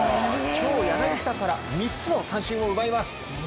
今日、柳田から３つの三振を奪います。